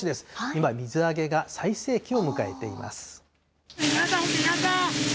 今、水揚げが最盛期を迎えています。